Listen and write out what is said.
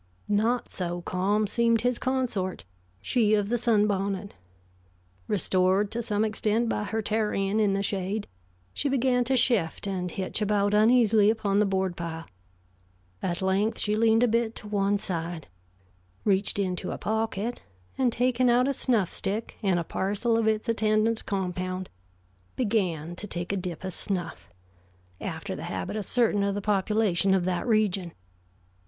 Not so calm seemed his consort, she of the sunbonnet. Restored to some extent by her tarrying in the shade, she began to shift and hitch about uneasily upon the board pile. At length she leaned a bit to one side, reached into a pocket and taking out a snuff stick and a parcel of its attendant compound, began to take a "dip" of snuff, after the habit of certain of the population of that region.